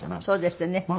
そうですってね。